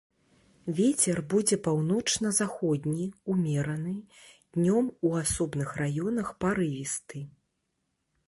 Вецер будзе паўночна-заходні, умераны, днём у асобных раёнах парывісты.